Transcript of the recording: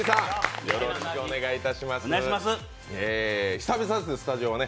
久々です、スタジオはね。